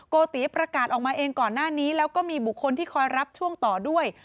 โกติประกาศออกมาเองก่อนหน้านี้แล้วก็มีบุคคลที่คอยรับช่วงต่อด้วย